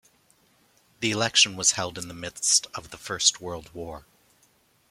The election was held in the midst of the First World War.